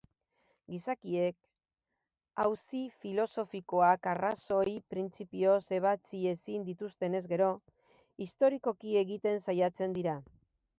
Gizakiek auzi filosofikoak arrazoi-printzipioz ebatzi ezin dituztenez gero, historikoki egiten saiatzen dira.